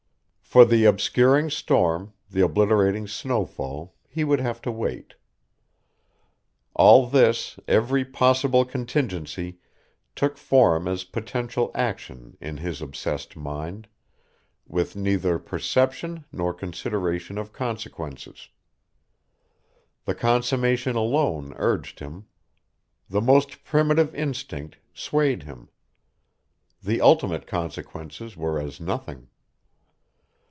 For the obscuring storm, the obliterating snowfall, he would have to wait. All this, every possible contingency, took form as potential action in his obsessed mind, with neither perception nor consideration of consequences. The consummation alone urged him. The most primitive instinct swayed him. The ultimate consequences were as nothing.